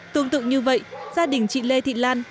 tương tự như vậy gia đình chị lê thị lan